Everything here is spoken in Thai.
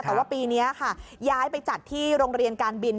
แต่ว่าปีนี้ค่ะย้ายไปจัดที่โรงเรียนการบิน